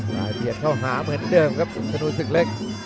ลายเปลี่ยนเข้าหาเหมือนเดิมครับธนูษย์สึกเล็ก